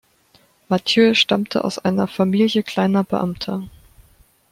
Mathieu stammte aus einer Familie kleiner Beamter.